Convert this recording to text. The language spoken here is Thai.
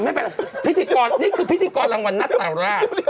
ไม่เป็นไรพิธีกรนี้คือพิธีกรรมวรรณนักอาวุธ